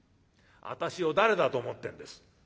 私を誰だと思ってんです。